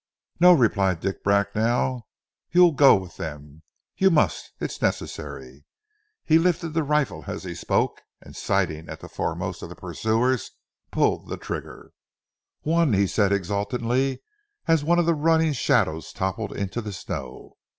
"No!" replied Dick Bracknell. "You go with them. You must! It's necessary." He lifted the rifle as he spoke and sighting at the foremost of the pursuers pulled the trigger. "One!" he said exultantly, as one of the running shadows toppled into the snow.